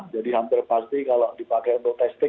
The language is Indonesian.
jadi hampir pasti kalau dipakai untuk testing